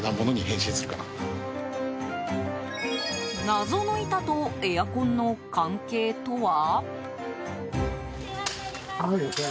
謎の板とエアコンの関係とは？